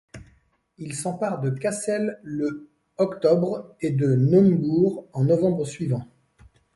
Il s'empare de Cassel le octobre et de Naumbourg en novembre suivant.